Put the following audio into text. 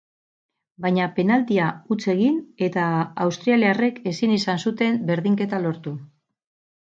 Baina penaltia huts egin eta australiarrek ezin izan zuten berdinketa lortu.